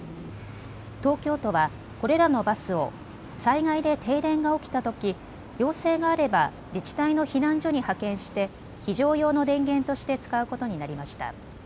東京都はこれらのバスを災害で停電が起きたとき要請があれば自治体の避難所に派遣して非常用の電源として使うことになりました。